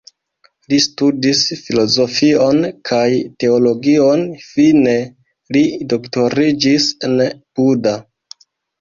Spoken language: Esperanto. Li studis filozofion kaj teologion, fine li doktoriĝis en Buda.